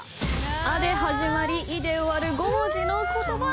「あ」で始まり「い」で終わる５文字の言葉。